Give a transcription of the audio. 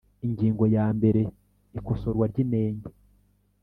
Ingingo ya mbere Ikosorwa ry inenge